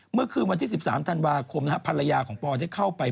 เมื่อคืนวันที่๑๓ธันวาคมภรรยาของปอได้เข้าไป